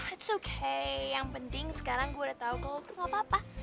it's okay yang penting sekarang gue udah tahu ke lo tuh nggak apa apa